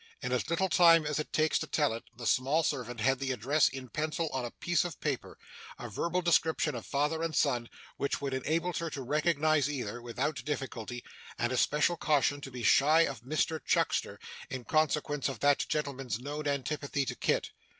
In as little time as it takes to tell it, the small servant had the address in pencil on a piece of paper; a verbal description of father and son, which would enable her to recognise either, without difficulty; and a special caution to be shy of Mr Chuckster, in consequence of that gentleman's known antipathy to Kit.